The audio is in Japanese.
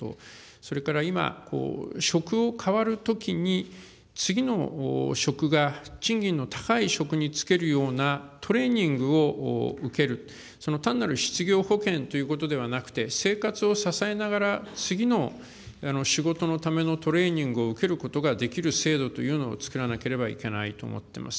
それから今、職を変わるときに次の職が賃金の高い職に就けるようなトレーニングを受ける、その単なる失業保険ということではなくて、生活を支えながら、次の仕事のためのトレーニングを受けることができる制度というのを作らなければいけないと思っています。